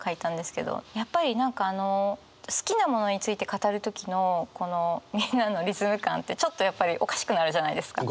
やっぱり好きなものについて語る時のこのみんなのリズム感ってちょっとやっぱりおかしくなるじゃないですか。